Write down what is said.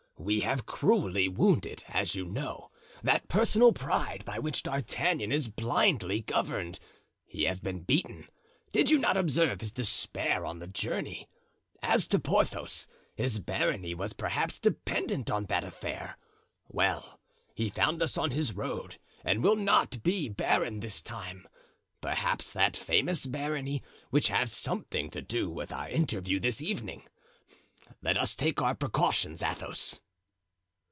We have cruelly wounded, as you know, that personal pride by which D'Artagnan is blindly governed. He has been beaten. Did you not observe his despair on the journey? As to Porthos, his barony was perhaps dependent on that affair. Well, he found us on his road and will not be baron this time. Perhaps that famous barony will have something to do with our interview this evening. Let us take our precautions, Athos."